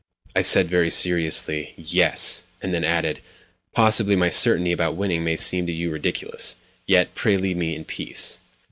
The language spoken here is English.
I said very seriously, "Yes," and then added: "Possibly my certainty about winning may seem to you ridiculous; yet, pray leave me in peace."